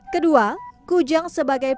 kedua kujang sebagai